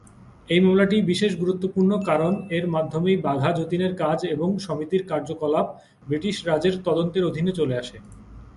এই মামলাটি বিশেষ গুরুত্বপূর্ণ কারণ এর মাধ্যমেই বাঘা যতীনের কাজ এবং সমিতির কার্যকলাপ ব্রিটিশ রাজের তদন্তের অধীনে চলে আসে।